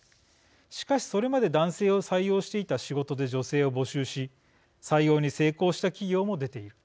しかしそれまで男性を採用していた仕事で女性を募集し採用に成功した企業も出ている。